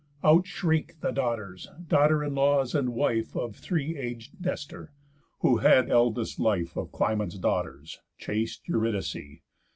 Out shriek'd the daughters, daughter in laws, and wife Of three ag'd Nestor, who had eldest life Of Clymen's daughters, chaste Eurydice.